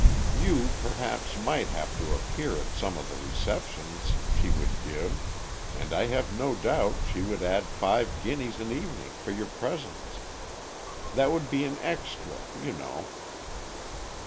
You, perhaps, might have to appear at some of the receptions she would give, and I have no doubt she would add five guineas an evening for your presence. That would be an extra, you know."